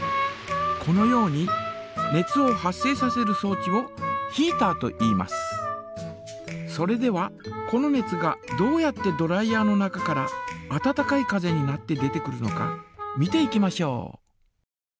このように熱を発生させるそう置をそれではこの熱がどうやってドライヤ−の中から温かい風になって出てくるのか見ていきましょう。